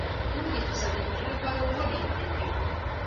دوی د اقتصادي ګټو لپاره ونې پرې کوي.